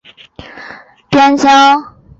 闵出生在苏联远东地区的滨海边疆州。